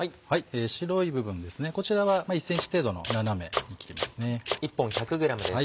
白い部分こちらは１ｃｍ程度の斜めに切りますね。